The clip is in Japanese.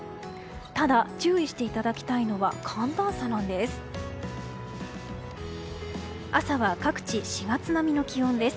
ただ、注意していただきたいのが寒暖差なんです。